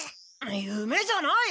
ゆめじゃない！